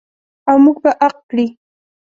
او موږ به عاق کړي.